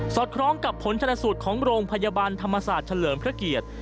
ศอดพร้อมกับผลชนสูตรของโรงพยาบาลธรรมศาสตร์เฉลิมเทรด